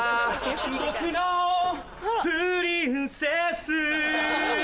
僕のプリンセス